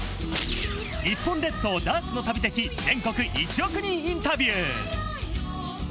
日本列島ダーツの旅的全国１億人インタビュー。